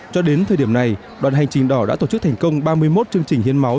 cho đến thời điểm này đoàn hành trình đỏ đã tổ chức thành công ba mươi một chương trình hiến máu